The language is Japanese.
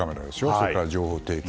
それから情報提供。